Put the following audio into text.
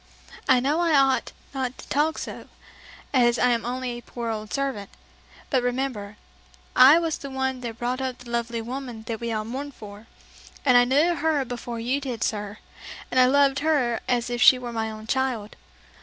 I know I ought not to talk so, as I'm only a poor old servant; but remember, I was the one that brought up the lovely woman that we all mourn for, and I knew her before you did, sir, and I loved her as if she were my own child.